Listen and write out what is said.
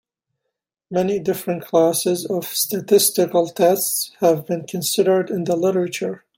Many different classes of statistical tests have been considered in the literature.